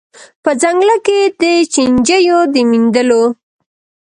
په ځنګله کي د چینجیو د میندلو